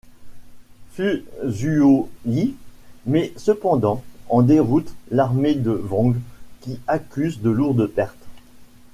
Fu Zuoyi met cependant en déroute l'armée de Wang qui accuse de lourdes pertes.